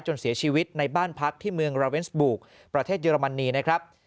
เสียชีวิตในบ้านพักที่เมืองราเวนสบุกประเทศเยอรมนีนะครับ